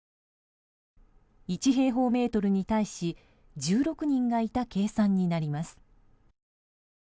１平方メートルに対し１６人がいた計算になります。